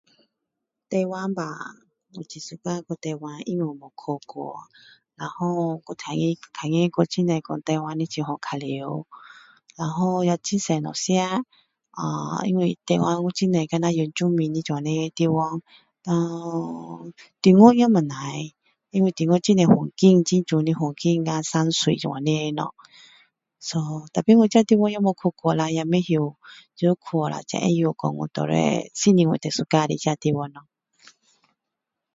台湾吧我很喜欢去台湾因为我没有去过然后还听见很多说台湾很好玩然后也很多东西吃啊因为台湾有很多这样像原住民的地方然后中国也不错因为中国很多风景很多很美的风景山水这样的东西so tapi这些地方我也没有去过啦我也不知要有去过了我才知道是否是我喜欢的地方咯